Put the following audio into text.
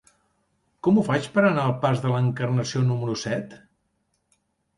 Com ho faig per anar al pas de l'Encarnació número set?